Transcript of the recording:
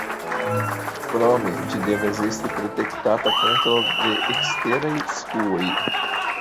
Krome, ĝi devas esti protektata kontraŭ deeksteraj skuoj.